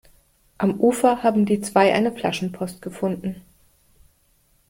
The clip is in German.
Am Ufer haben die zwei eine Flaschenpost gefunden.